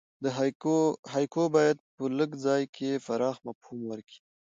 هایکو باید په لږ ځای کښي پراخ مفهوم ورکي.